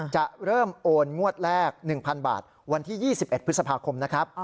จะเริ่มโอนงวดแรก๑๐๐๐บาทวันที่๒๑พฤษภาคมนะครับ